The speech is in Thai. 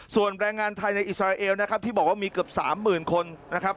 ส่วนแรงงานไทยในอิสราเอลนะครับที่บอกว่ามีเกือบ๓๐๐๐คนนะครับ